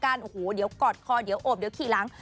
แควร์ต่อโหหูเดี๋ยวกอดคอย์เดี๋ยวโอบเดี๋ยวขี่รั้ง